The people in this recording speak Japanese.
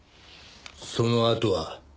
そのあとは？